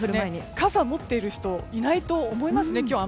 傘を持っている人はあまりいないと思いますね今日は。